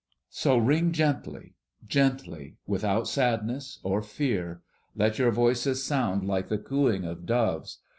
"So ring gently, gently, without sadness or fear. Let your voices sound like the cooing of doves.